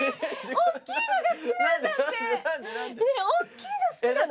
大きいの好きなの？